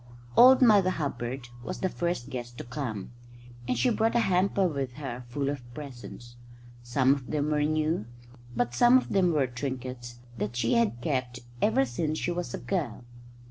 Old Mother Hubbard was the first guest to come, and she brought a hamper with her full of presents. Some of them were new, but some of them were trinkets that she had kept ever since she was a girl.